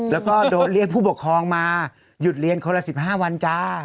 แล้วก็โดนเรียกผู้ปกครองมาหยุดเรียนคนละ๑๕วันจ้า